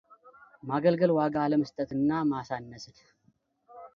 ማግለል ዋጋ አለመስጠትና ማሳነስን።